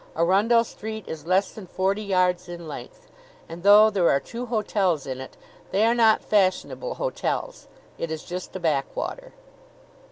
Arundell Street is less than forty yards in length; and, though there are two hotels in it, they are not fashionable hotels. It is just a backwater.